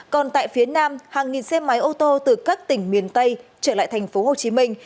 còn tại phía nam hàng nghìn xe máy ô tô từ các tỉnh miền tây trở lại thành phố hồ chí minh